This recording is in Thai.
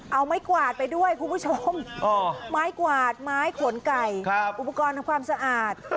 เอาไม้กวาดไปด้วยคุณผู้ชมไม้กวาดไม้ขนไก่อุปกรณ์ทำความสะอาด